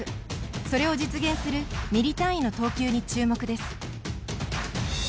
それを実現するミリ単位の投球に注目です。